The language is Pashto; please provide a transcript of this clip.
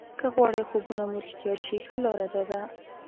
که غواړئ خوبونه مو رښتیا شي ښه لاره داده.